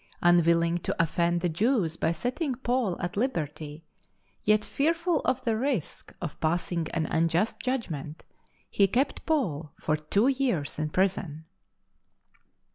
Unwilling to ofiend the Jews by setting Paul at liberty, yet fearful of the risk of passing an unjust judgment, he kept Paul for two years in prison.